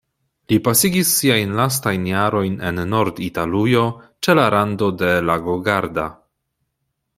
Li pasigis siajn lastajn jarojn en Nord-Italujo ĉe la rando de lago Garda.